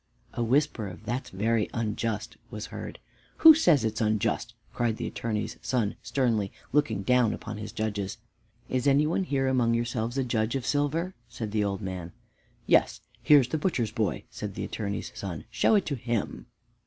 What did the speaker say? A whisper of "that's very unjust," was heard. "Who says it's unjust?" cried the Attorney's son sternly, looking down upon his judges. "Is any one here among yourselves a judge of silver?" said the old man. "Yes, here's the butcher's boy," said the Attorney's son; "show it to him."